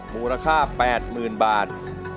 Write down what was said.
มูลค่า๘๐๐๐บาท